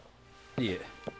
いえ。